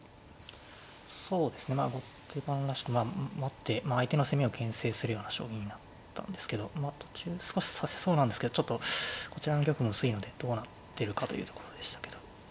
そうですねまあ後手番らしく待って相手の攻めをけん制するような将棋になったんですけど途中少し指せそうなんですけどちょっとこちらの玉も薄いのでどうなってるかというところでしたけど。